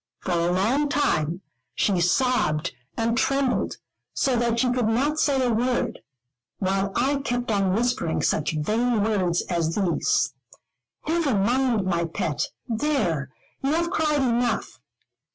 For a long time she sobbed and trembled so that she could not say a word, while I kept on whispering such vain words as these: "Never mind, my pet. There, you have cried enough.